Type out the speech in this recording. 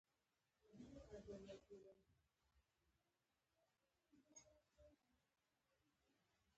پرانېستي بنسټونه رامنځته شول.